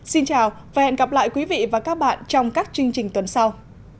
xin chào và hẹn gặp lại quý vị và các bạn trong các chương trình tuần sau